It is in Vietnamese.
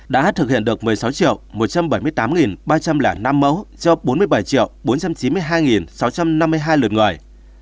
đã thực hiện được một mươi sáu một trăm bảy mươi tám ba trăm linh năm mẫu cho bốn mươi bảy bốn trăm chín mươi hai sáu trăm năm mươi hai lượt người